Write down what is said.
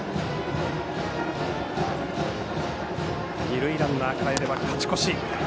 二塁ランナーがかえれば勝ち越し。